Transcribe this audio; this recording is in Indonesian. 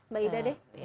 mbak ida deh